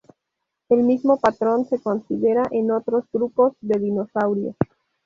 El mismo patrón se considera en otros grupos de dinosaurios.